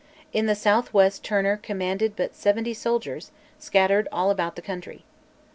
In the south west Turner commanded but seventy soldiers, scattered all about the country.